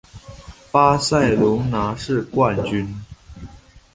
巴塞隆拿是冠军。